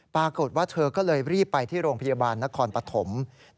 ปรากฏว่าเธอก็เลยรีบไปที่โรงพยาบาลนครปฐม